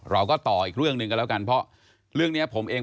เราก็ต่ออีกเรื่องหนึ่งกันแล้วกันเพราะเรื่องนี้ผมเอง